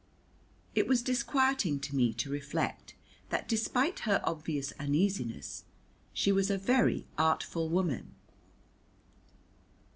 It was disquieting to me to reflect that despite her obvious uneasiness, she was a very artful woman.